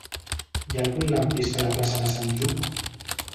Hi ha algun lampista a la plaça de Sant Lluc?